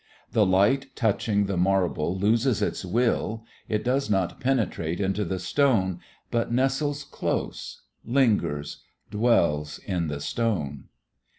The light touching the marble loses its will, it does not penetrate into the stone, but nestles close, lingers, dwells in the stone.